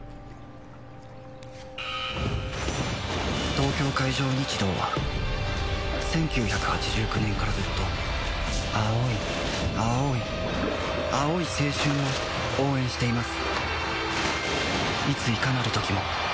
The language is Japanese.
東京海上日動は１９８９年からずっと青い青い青い青春を応援しています